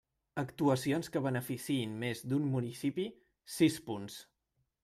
Actuacions que beneficiïn més d'un municipi: sis punts.